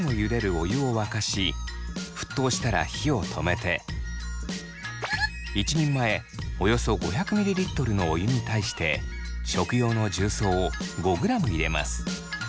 お湯を沸かし沸騰したら火を止めて１人前およそ５００ｍｌのお湯に対して食用の重曹を５ｇ入れます。